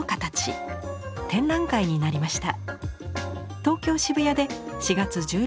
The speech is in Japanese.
展覧会になりました。